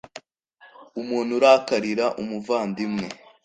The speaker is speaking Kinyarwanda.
umuntu urakarira umuvandimwe